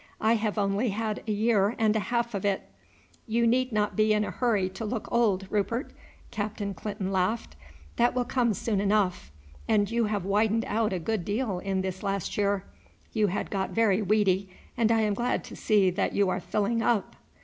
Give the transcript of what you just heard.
I have only had a year and a half of it." "You need not be in a hurry to look old, Rupert," Captain Clinton laughed; "that will come soon enough, and you have widened out a good deal in this last year. You had got very weedy, and I am glad to see that you are filling up.